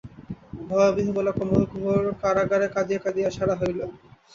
ভয়বিহ্বলা কমল গুহার কারাগারে কাঁদিয়া কাঁদিয়া সারা হইল।